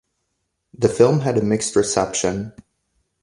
The film had a mixed reception.